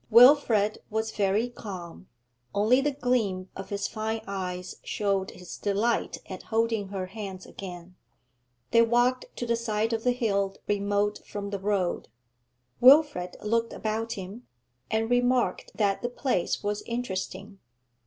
Wilfrid was very calm, only the gleam of his fine eyes showed his delight at holding her hands again. They walked to the side of the hill remote from the road. Wilfrid looked about him, and remarked that the place was interesting.